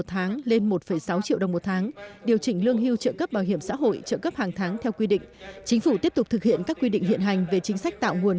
hàng tháng theo quy định chính phủ tiếp tục thực hiện các quy định hiện hành về chính sách tạo nguồn